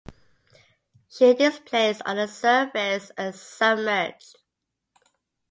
She displaced on the surface and submerged.